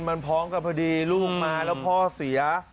มันพร้อมกับพอดีลูกมาแล้วพ่อเสีย